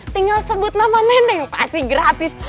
tinggal sebut nama nendeng pasti gratis